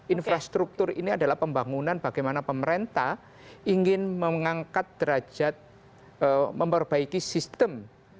infrastruktur ini adalah pembangunan bagaimana pemerintah ingin mengangkat derajat memperbaiki sistem